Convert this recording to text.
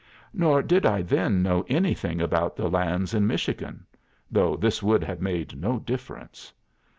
Nor did I then know anything about the lands in Michigan though this would have made no difference.